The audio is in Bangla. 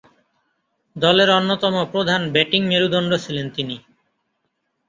দলের অন্যতম প্রধান ব্যাটিং মেরুদণ্ড ছিলেন তিনি।